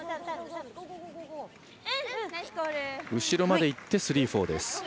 後ろまでいってスリー、フォーです。